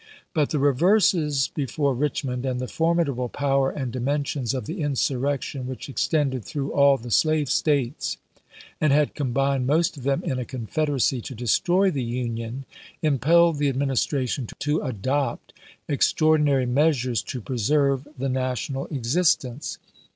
But the reverses before Richmond, and the formidable power and dimensions of the insurrection, which extended through all the slave States and had combined most of them in a confederacy to destroy the Union, impelled the Adminis tration to adopt extraordinary measures to preserve the national existence.